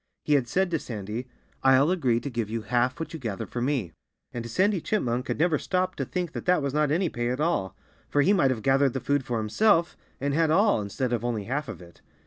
He had said to Sandy: "I'll agree to give you half what you gather for me." And Sandy Chipmunk had never stopped to think that that was not any pay at all. For he might have gathered the food for himself, and had all, instead of only half of it.